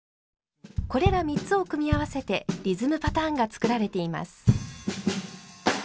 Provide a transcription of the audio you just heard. これら３つを組み合わせてリズムパターンが作られています。